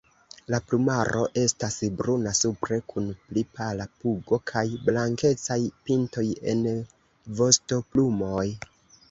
La plumaro estas bruna supre kun pli pala pugo kaj blankecaj pintoj en vostoplumoj.